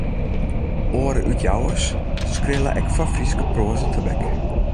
Oare útjouwers skrille ek foar Frysk proaza tebek.